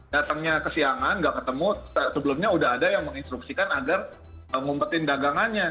datangnya kesiangan gak ketemu sebelumnya udah ada yang menginstruksikan agar ngumpetin dagangannya